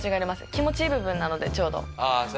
気持ちいい部分なのでちょうど。